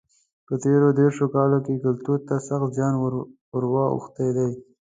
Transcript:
په تېرو دېرشو کلونو کې کلتور ته سخت زیان ور اوښتی دی.